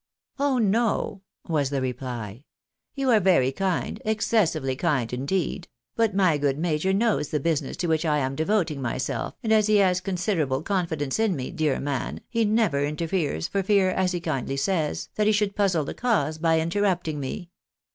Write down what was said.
" Oh no !" was the reply. " You are very kind — excessively kind, indeed ; but my good major knows the business to which I am devoting myself, and as he has considerable confidence in me, dear man, he never interferes, for fear, as he kindly says, that he sl\ould puzzle the cause by interrupting liie.